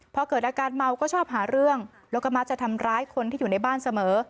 พอเกิดอาการเมาก็ชอบหาเรื่องแล้วก็มักจะทำร้ายคนที่อยู่ในบ้านเสมอ